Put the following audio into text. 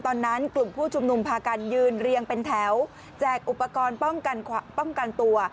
ตอนนั้นกลุ่มผู้ชุมนุมพากันยืนเรียงเป็นแถวแจกอุปกรณ์ป้องกันตัว